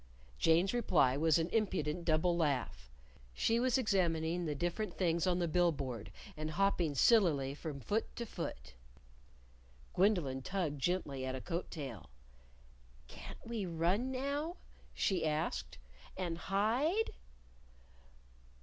Jane's reply was an impudent double laugh. She was examining the different things on the bill board, and hopping sillily from foot to foot. Gwendolyn tugged gently at a coat tail. "Can't we run now?" she asked; "and hide?"